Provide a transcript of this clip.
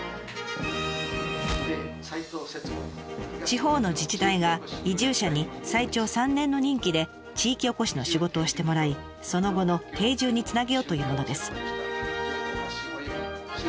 地方の自治体が移住者に最長３年の任期で地域おこしの仕事をしてもらいその後の定住につなげようというものです。